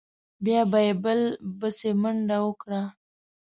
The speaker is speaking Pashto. بیا به یې بل بسې منډه وکړه.